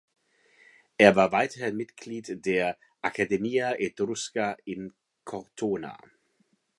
Er war weiterhin Mitglied der Accademia Etrusca in Cortona.